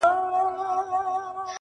اوس به څوك د پاني پت په توره وياړي!